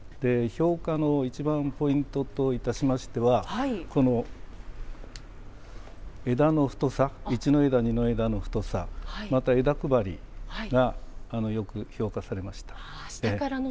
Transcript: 評価の一番ポイントといたしましては、この枝の太さ、一の枝、二の枝の太さ、また、枝配りがよく評価されました。